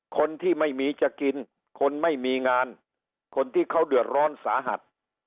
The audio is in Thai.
คนที่ไม่มีจะกินคนไม่มีงานคนที่เขาเดือดร้อนสาหัส